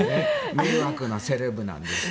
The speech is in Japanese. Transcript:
迷惑なセレブなんですが。